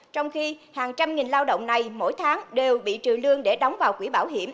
trong khi hàng trăm nghìn lao động này mỗi tháng đều bị trừ lương để đóng vào quỹ bảo hiểm